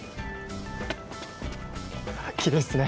きれいっすね。